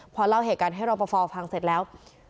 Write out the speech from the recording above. พอเล่าเหตุการณ์ให้รอปภฟังเสร็จแล้ว